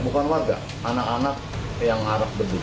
bukan warga anak anak yang harap berdua